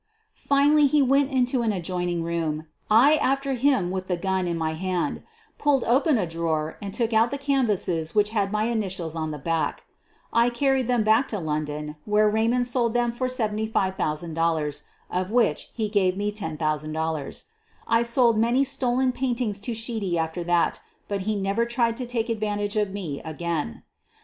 Finally he went into an adjoining room — I after him with the gun in my hand — pulled open a drawer and took out the canvasses which had my initials on the back. 56 SOPHIE LYONS I carried them back to London, where Raymond sold them for $75,000, of which he gave me $10,000. I sold many stolen paintings to Sheedy after that, but he never tried to take advantage of me again.